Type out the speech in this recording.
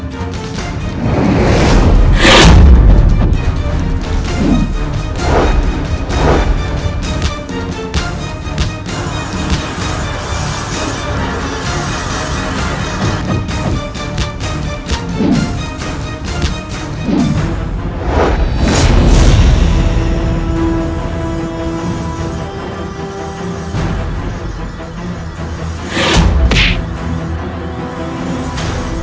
kau akan menang